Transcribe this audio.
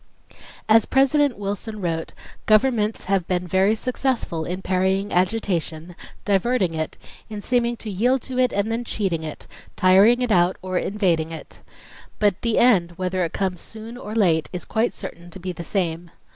"As President Wilson wrote, 'Governments have been very successful in parrying agitation, diverting it, in seeming to yield to it and then cheating it, tiring it out or evading it. But the end, whether it comes soon or late, is quite certain to be the same.